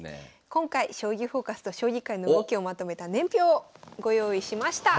今回「将棋フォーカス」と将棋界の動きをまとめた年表をご用意しました。